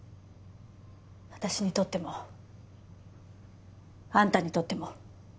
私にとってもあんたにとっても。